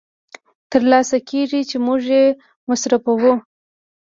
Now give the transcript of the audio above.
تر لاسه کېږي چې موږ یې مصرفوو